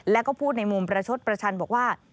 แล้วก็พูดในมุมประชดประชันบอกว่า